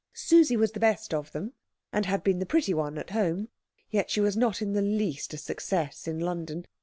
Susie was the best of them, and had been the pretty one at home; yet she was not in the least a success in London.